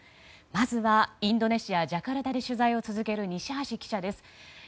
まずはインドネシア・ジャカルタで取材を続ける西橋記者です。